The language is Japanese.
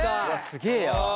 すげえや。